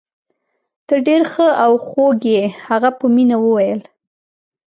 ته ډیر ښه او خوږ يې. هغه په مینه وویل.